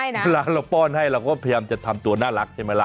เวลาเราป้อนให้เราก็พยายามจะทำตัวน่ารักใช่ไหมล่ะ